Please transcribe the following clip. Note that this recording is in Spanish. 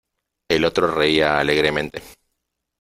el otro reía alegremente :